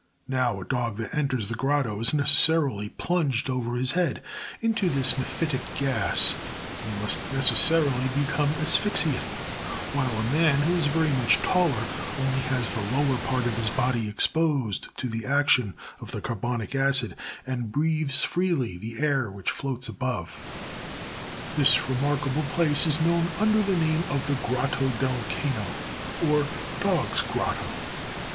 Now, a dog that enters the grotto is necessarily plunged over his head into this mephitic gas, and must necessarily become asphyxiate, while a man who is very much taller, only has the lower part of his body exposed to the action of the carbonic acid, and breathes freely the air which floats above. This remarable place is known under the name of the Grotto del Cano, or doff's grotto.